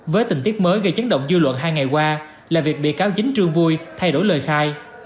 với tình tiết mới gây chấn động dư luận hai ngày qua là việc bị cáo chính trương vui thay đổi lời khai